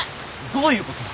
どういうこと？